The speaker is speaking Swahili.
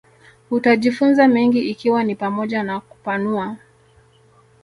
utajifunza mengi ikiwa ni pamoja na kupanua